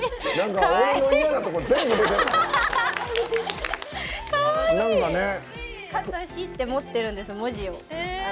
「かとし」って持ってるんです、文字を。